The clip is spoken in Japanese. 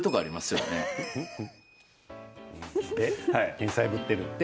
天才ぶってるって。